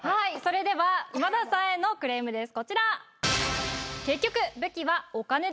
それでは今田さんへのクレームですこちら。